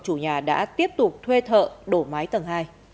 chủ nhà đã tiếp tục thuê thợ đổ mái tầng hai